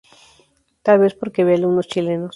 Tal vez porque había alumnos chilenos.